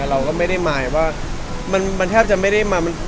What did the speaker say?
เราก็ไม่ได้มายว่าแทบจะไม่ได้มายว่า